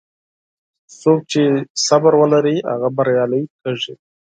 څوک چې صبر ولري، هغه بریالی کېږي.